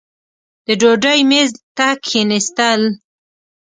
د ډوډۍ مېز ته کښېنستل.